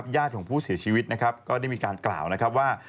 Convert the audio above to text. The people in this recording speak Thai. ญาติของผู้ศิษย์ชีวิตได้มีการกล่าวว่า